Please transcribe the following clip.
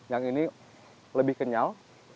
yang ini lebih kenyal